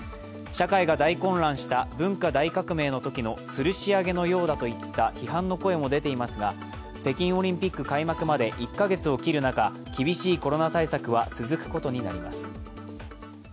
社会が大混乱した文化大革命のときのつるし上げのようだといった批判の声も出ていますが、北京オリンピック開幕まで１カ月を切る中、厳しいコロナ対策は続くことになります。